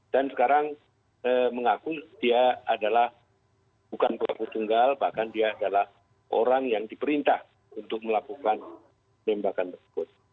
dan sekarang mengaku dia adalah bukan pelaku tunggal bahkan dia adalah orang yang diperintah untuk melakukan penembakan bersebut